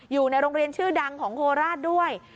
อยู่ในโรงเรียนชื่อดังของโคราชด้วย